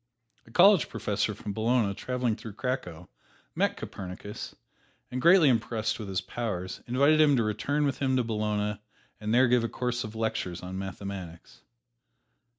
A college professor from Bologna traveling through Cracow met Copernicus, and greatly impressed with his powers, invited him to return with him to Bologna and there give a course of lectures on mathematics.